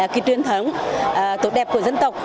kỳ truyền thống tốt đẹp của dân tộc